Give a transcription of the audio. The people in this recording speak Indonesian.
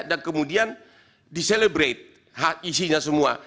dan kemudian diselebrate isinya semua